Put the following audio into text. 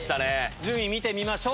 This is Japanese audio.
順位見てみましょう。